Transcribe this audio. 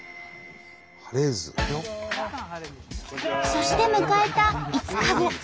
そして迎えた５日後。